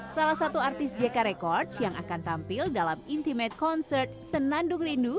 salah satu artis jk records yang akan tampil dalam intimate concert senandung rindu